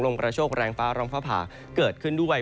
กระโชคแรงฟ้าร้องฟ้าผ่าเกิดขึ้นด้วย